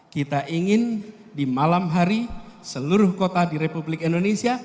kita ingin di malam hari seluruh kota di republik indonesia